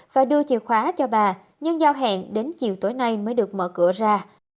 và đưa chìa khóa cho bà nhưng giao hẹn đến chiều tối nay mới được mở cửa ra